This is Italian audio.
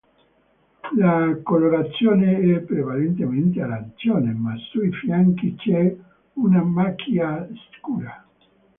La colorazione è prevalentemente arancione, ma sui fianchi c'è una macchia scura.